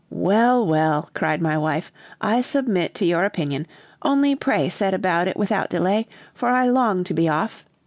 "Well! well!" cried my wife, "I submit to your opinion; only pray set about it without delay, for I long to be off.